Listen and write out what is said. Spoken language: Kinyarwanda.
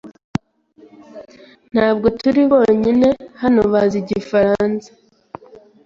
Ntabwo turi bonyine hano bazi igifaransa